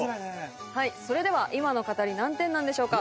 はいそれでは今の語り何点なんでしょうか？